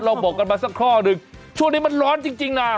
บอกกันมาสักข้อหนึ่งช่วงนี้มันร้อนจริงนะ